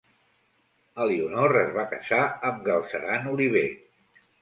Elionor es va casar amb Galceran Oliver.